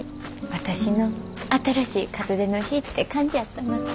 私の新しい門出の日って感じやったな。